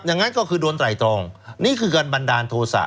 งั้นก็คือโดนไตรตรองนี่คือการบันดาลโทษะ